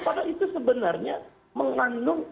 padahal itu sebenarnya mengandung